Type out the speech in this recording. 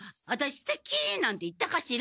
「ステキ！」なんて言ったかしら？